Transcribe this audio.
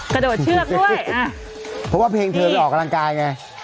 กะโดดเชือกด้วยเอ้านี่เพราะว่าเพลงเธอจะออกกำลังกายไง